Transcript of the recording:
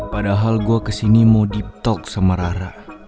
padahal gue kesini mau deep talk sama rara